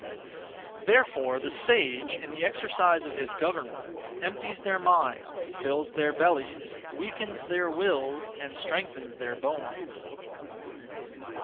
Therefore the sage, in the exercise of his government, empties their minds, fills their bellies, weakens their wills, and strengthens their bones.